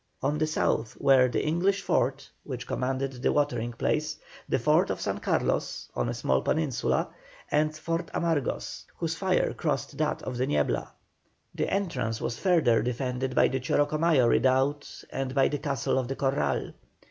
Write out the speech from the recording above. On the south were the English fort, which commanded the watering place, the fort of San Carlos, on a small peninsula, and Fort Amargos, whose fire crossed that of the Niebla. The entrance was further defended by the Chorocomayo redoubt and by the Castle of the Corral.